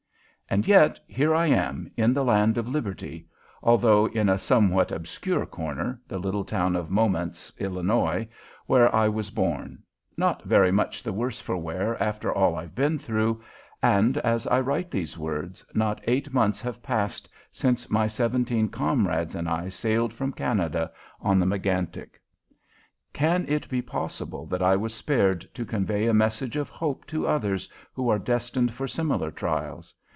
And yet here I am, in the Land of Liberty although in a somewhat obscure corner, the little town of Momence, Illinois, where I was born not very much the worse for wear after all I've been through, and, as I write these words, not eight months have passed since my seventeen comrades and I sailed from Canada on the Megantic! Can it be possible that I was spared to convey a message of hope to others who are destined for similar trials?